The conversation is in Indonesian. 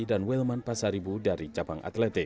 dan wilman pasaribu dari cabang atletik